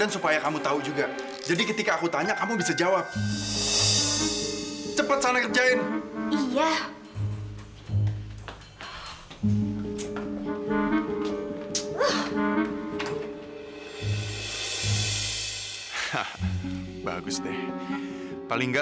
sampai jumpa di video selanjutnya